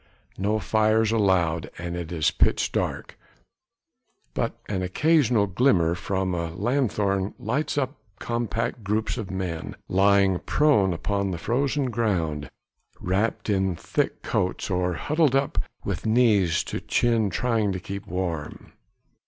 No fires allowed and it is pitch dark, but an occasional glimmer from a lanthorn lights up compact groups of men lying prone upon the frozen ground, wrapped in thick coats, or huddled up with knees to chin trying to keep warm.